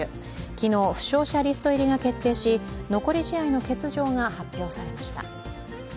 昨日、負傷者リスト入りが決定し、残り試合の欠場が発表されました。